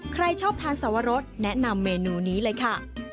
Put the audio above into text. ใครชอบทานสวรสแนะนำเมนูนี้เลยค่ะ